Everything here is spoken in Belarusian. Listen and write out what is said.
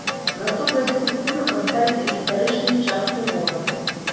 Гатовыя скульптуры паставяць у гістарычнай частцы горада.